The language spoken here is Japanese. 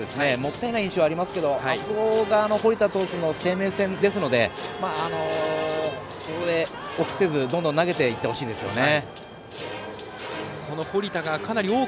ツーナッシングからもったいない印象がありますけどそれが堀田投手の生命線なのでここで、臆せずどんどん投げていってほしいですね。